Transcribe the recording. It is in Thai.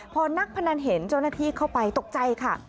พอนักพนันเห็นเจ้าหน้าที่เข้าไปตกใจค่ะ